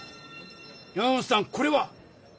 山本さんこれは？